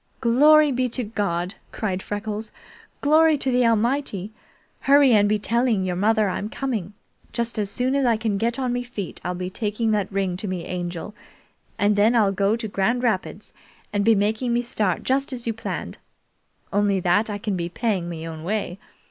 "Glory be to God!" cried Freckles. "Glory to the Almighty! Hurry and be telling your mother I'm coming! Just as soon as I can get on me feet I'll be taking that ring to me Angel, and then I'll go to Grand Rapids and be making me start just as you planned, only that I can be paying me own way.